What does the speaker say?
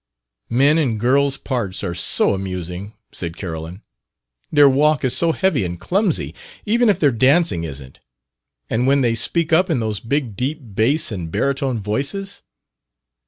"Men in girls' parts are so amusing," said Carolyn. "Their walk is so heavy and clumsy, even if their dancing isn't. And when they speak up in those big deep bass and baritone voices...!"